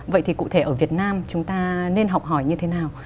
vậy thì cụ thể ở việt nam chúng ta nên học hỏi như thế nào